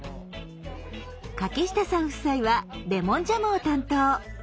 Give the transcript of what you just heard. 柿下さん夫妻はレモンジャムを担当。